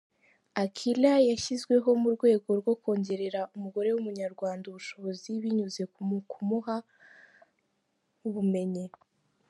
Akilah yashyizweho mu rwego rwo kongerera umugore w’Umunyarwanda ubushobozi binyuze mu kumuha ubumenyi.